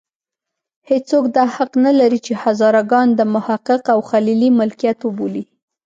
هېڅوک دا حق نه لري چې هزاره ګان د محقق او خلیلي ملکیت وبولي.